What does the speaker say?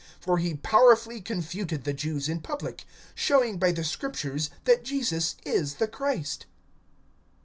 (28)For he powerfully confuted the Jews in public, showing by the Scriptures that Jesus is the Christ.